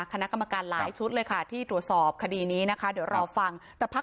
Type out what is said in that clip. คณะกรรมการหลายชุดเลยค่ะที่ตรวจสอบคดีนี้นะคะเดี๋ยวรอฟังแต่พัก